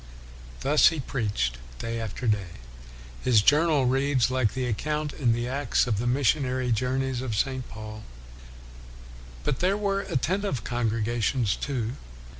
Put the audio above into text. Thus he preached day after day. His journal reads like the account in the Acts of the missionary journeys of St. Paul. But there were attentive congregations, too.